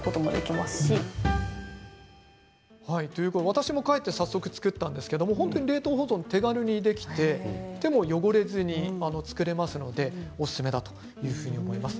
私も帰って早速作ったんですが冷凍保存が手軽にできて手も汚れずに作れますのでおすすめだというふうに思います。